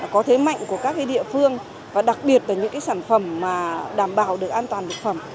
có thế mạnh của các cái địa phương và đặc biệt là những cái sản phẩm mà đảm bảo được an toàn thực phẩm